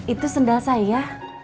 itu sendal saya